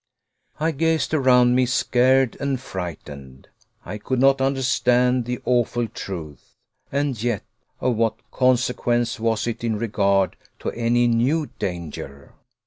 I gazed around me scared and frightened. I could not understand the awful truth. And yet of what consequence was it in regard to any new danger?